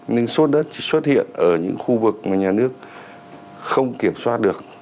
nên sốt đất chỉ xuất hiện ở những khu vực mà nhà nước không kiểm soát được